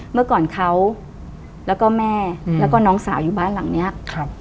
เมื่อก่อนเขาแล้วก็แม่แล้วก็น้องสาวอยู่บ้านหลังเนี้ยครับ